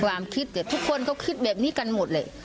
ความคิดทุกคนเขาคิดแบบนี้กันหมดเลย